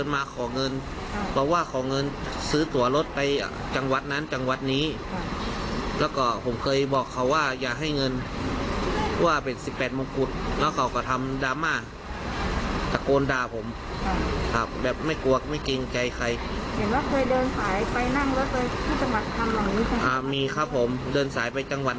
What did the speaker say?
แม่งแม่งแม่งแม่ง